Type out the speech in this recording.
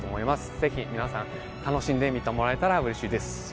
ぜひ皆さん、楽しんで見てもらえたらうれしいです。